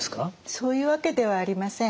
そういうわけではありません。